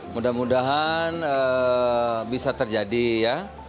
mudah mudahan bisa terjadi ya